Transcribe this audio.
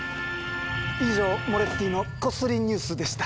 以上「モレッティのこっそりニュース」でした。